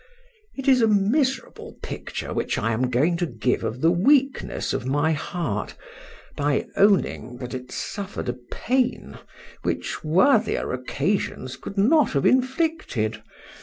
It is a miserable picture which I am going to give of the weakness of my heart, by owning, that it suffered a pain, which worthier occasions could not have inflicted.